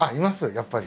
やっぱり。